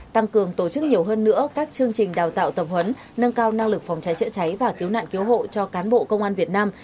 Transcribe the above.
tăng cường tổ chức nhiều hơn nữa các chương trình đào tạo tập huấn nâng cao năng lực phòng cháy chữa cháy và cứu nạn cứu hộ cho cán bộ công an việt nam